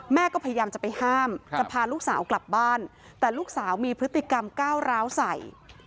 แม่ก็พยายามจะไปห้ามจะพาลูกสาวกลับบ้านแต่ลูกสาวมีพฤติกรรมก้าวร้าวใส่